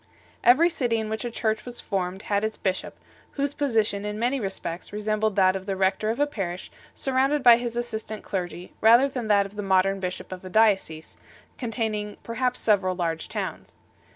Every city in which a Church was formed had its bishop, whose position in many respects resembled that of the rector of a parish surrounded by his assistant clergy rather than that of the modern bishop of a diocese, containing perhaps several large towns.